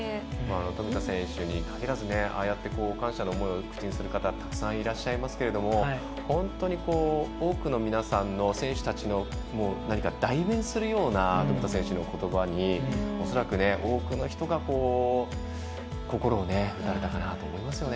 富田選手にかぎらず感謝の思いを口にする方たくさんいらっしゃいますが本当に多くの皆さんの選手たちの代弁するような富田選手のことばに恐らく、多くの人が心を打たれたかなと思いますよね。